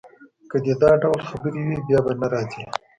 که دي دا ډول خبرې وې، بیا به نه راځې.